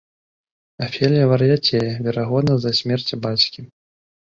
Афелія вар'яцее, верагодна з-за смерці бацькі.